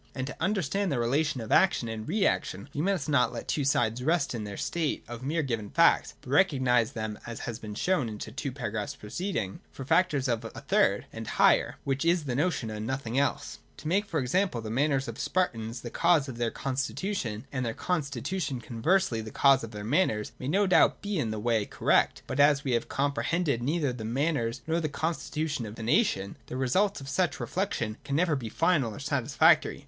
And to understand the rela tion of action and reaction we must not let the two sides rest in their state of mere given facts, but recognise them, as has been shown in the two paragraphs preceding, for factors of a third and higher, which is the notion and nothing else. To make, for example, the manners of the Spartans the cause of their constitution and their constitution conversely the cause of their manners, may no doubt be in a way cor rect. But, as we have comprehended neither the manners nor the constitution of the nation, the result of such reflec tions can never be final or satisfactory.